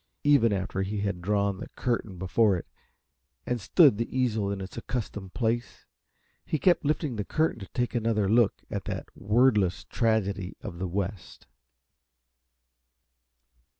Even after he had drawn the curtain before it and stood the easel in its accustomed place, he kept lifting the curtain to take another look at that wordless tragedy of the West.